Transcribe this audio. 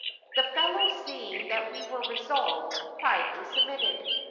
The fellow seeing that we were resolved, quietly submitted.